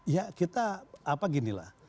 ya kita apa gini lah